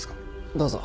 どうぞ。